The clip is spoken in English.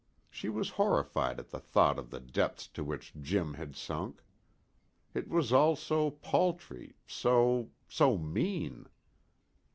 She was horrified at the thought of the depths to which Jim had sunk. It was all so paltry, so so mean.